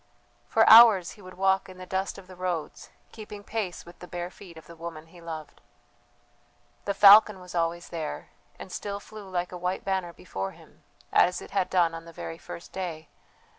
For hours he would walk in the dust of the roads, keeping pace with the bare feet of the woman he loved. The falcon was always there, and still flew like a white banner before him, as it had done on the very first day.